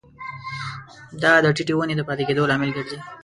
دا د ټیټې ونې د پاتې کیدو لامل ګرځي.